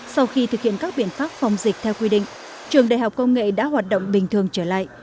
sau khi thực hiện các biện pháp phòng dịch theo quy định trường đại học công nghệ đã hoạt động bình thường trở lại